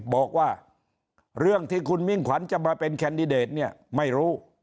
บอกว่าเรื่องที่คุณมิ่งขวัญจะมาเป็นแคนดิเดตเนี่ยไม่รู้